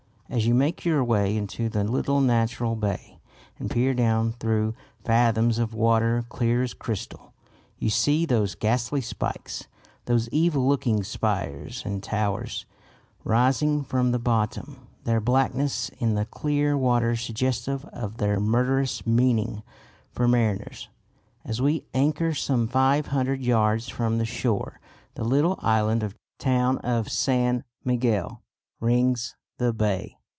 As you make your way into the little natural bay and peer down through fathoms of water clear as crystal, you see those ghastly spikes, those evil looking spires and towers, rising from the bottom, their blackness in the clear water suggestive of their murderous meaning for mariners. As we anchor some five hundred yards from the shore the little island town of San Miguel rings the bay.